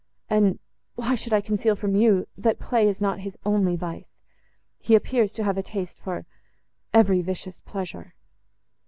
And—why should I conceal from you, that play is not his only vice? he appears to have a taste for every vicious pleasure."